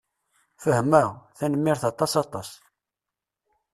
Fehmeɣ. Tanemmirt aṭas aṭas.